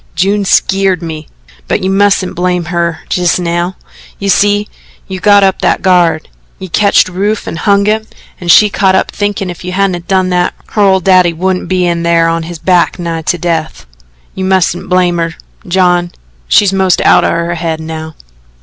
June skeered me. But you mustn't blame her jes' now. You see, you got up that guard. You ketched Rufe and hung him, and she can't help thinkin' if you hadn't done that, her old daddy wouldn't be in thar on his back nigh to death. You mustn't blame her, John she's most out o' her head now."